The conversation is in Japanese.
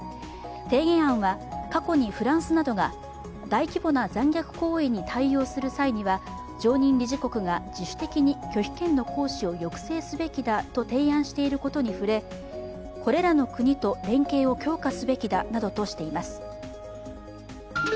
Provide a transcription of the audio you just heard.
提言案は、過去にフランスなどが大規模な残虐行為に対応する際には常任理事国が自主的に拒否権の行使を抑制すべきだと提案していることに触れこれらの国と連携を強化すべきだなどとしています。